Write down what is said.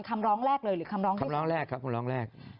คำร้องแรกเลยหรือคำร้องคำร้องแรกครับคำร้องแรก